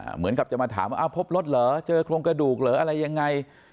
เหมือนกับจะมาถามว่าพบรถเหรอเจอโครงกระดูกเหรออะไรยังไง